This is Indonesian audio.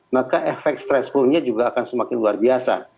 maka efek stres punnya juga akan semakin luar biasa